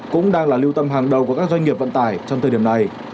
cũng đang là lưu tâm hàng đầu của các doanh nghiệp vận tải trong thời điểm này